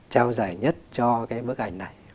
trao giải nhất cho cái bức ảnh này